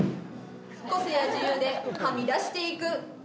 個性や自由ではみ出していく。